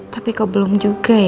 tapi kok belum juga